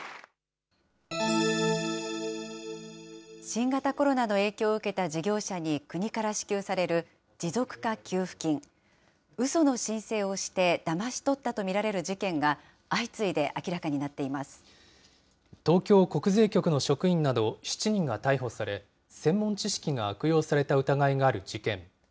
新型コロナの影響を受けた事業者に国から支給される、持続化給付金、うその申請をして、だまし取ったと見られる事件が、相次東京国税局の職員など７人が逮捕され、専門知識が悪用された疑いがある事件。